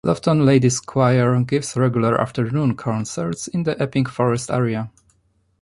Loughton Ladies Choir gives regular afternoon concerts in the Epping Forest area.